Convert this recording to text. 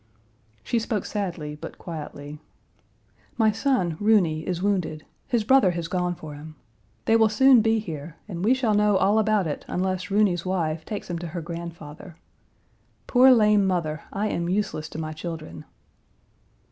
She spoke sadly, but quietly. "My son, Roony, is wounded; his brother has gone for him. They will soon be here and we shall know all about it unless Roony's wife takes him to her grandfather. Poor lame mother, I am useless to my children."